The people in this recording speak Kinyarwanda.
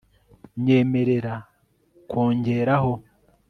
Nyemerera kongeraho